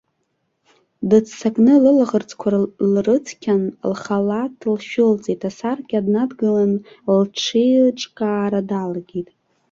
Дыццакны лылаӷырӡқәа лрыцқьан, лхалаҭ лшәылҵеит, асаркьа днадгылан лҽеиҿкаара далагеит.